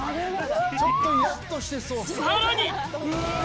さらに！